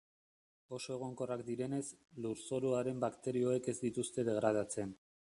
Oso egonkorrak direnez, lurzoruaren bakterioek ez dituzte degradatzen.